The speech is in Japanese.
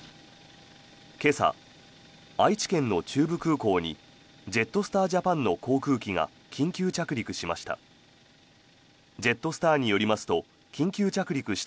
今朝、愛知県の中部空港にジェットスター・ジャパンの航空機が緊急着陸しました。